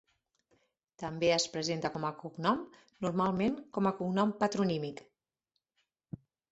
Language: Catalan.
També es presenta com a cognom, normalment com a cognom patronímic.